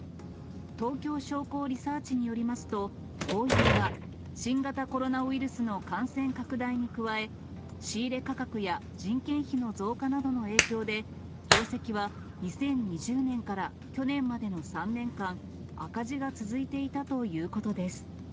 東京商工リサーチによりますと、ホーユーは新型コロナウイルスの感染拡大に加え、仕入れ価格や人件費の増加などの影響で、業績は２０２０年から去年までの３年間、赤字が続いていたということです。